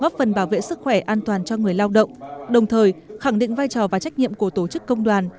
góp phần bảo vệ sức khỏe an toàn cho người lao động đồng thời khẳng định vai trò và trách nhiệm của tổ chức công đoàn